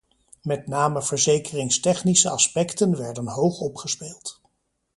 Met name verzekeringstechnische aspecten werden hoog opgespeeld.